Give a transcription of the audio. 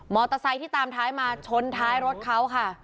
มอเตอร์ไซต์ที่ตามท้ายมาชนท้ายรถเขาค่ะ